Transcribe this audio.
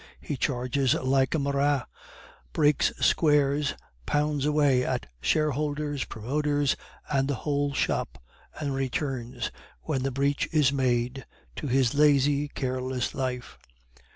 He charges like a Murat, breaks squares, pounds away at shareholders, promoters, and the whole shop, and returns, when the breach is made, to his lazy, careless life.